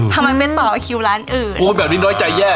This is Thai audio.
ทำไมไม่ต่อคิวร้านอื่นโอ้แบบนี้น้อยใจแย่